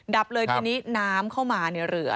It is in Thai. ดับเลยทีนี้น้ำเข้ามาในเรือ